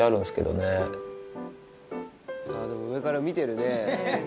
でも上から見てるね。